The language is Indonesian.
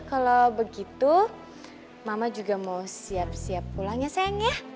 kalau begitu mama juga mau siap siap pulang ya sayang ya